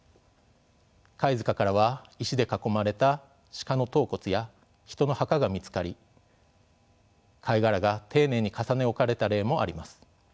貝塚からは石で囲まれた鹿の頭骨や人の墓が見つかり貝殻が丁寧に重ね置かれた例もあります。